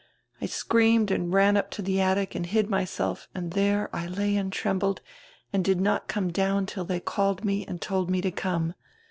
I screamed and ran up to die attic and hid myself and there I lay and trembled, and did not come down till they called me and told me to come.